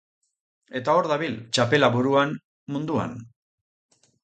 Eta hor dabil, txapela buruan, munduan.